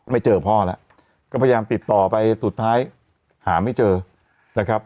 ไม่เจอพ่อแล้วก็พยายามติดต่อไปสุดท้ายหาไม่เจอนะครับ